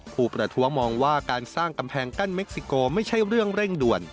ประท้วงมองว่าการสร้างกำแพงกั้นเม็กซิโกไม่ใช่เรื่องเร่งด่วน